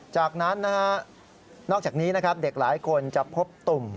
จากนั้นนอกจากนี้เด็กหลายคนจะพบตุ่ม